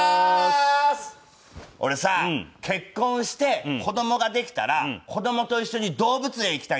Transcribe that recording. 俺さ結婚して子供ができたら子供と一緒に動物園行きたいんだよね。